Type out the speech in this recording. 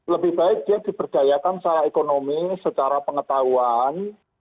lebih baik dia diberdayakan secara ekonomi secara pengetahuan